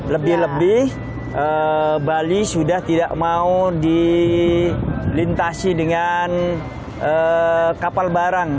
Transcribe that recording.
lebih lebih bali sudah tidak mau dilintasi dengan kapal barang